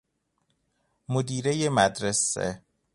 مدیرۀ مدرسه